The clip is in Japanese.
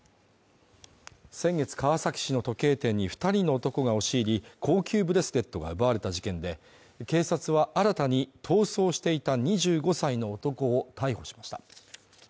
先月、川崎市の時計店に２人の男が押し入り、高級ブレスレットが奪われた事件で警察は新たに逃走していた２５歳の男を逮捕しました。